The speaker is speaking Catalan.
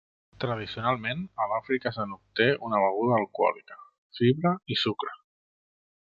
Tradicionalment, a l'Àfrica se n'obté una beguda alcohòlica, fibra i sucre.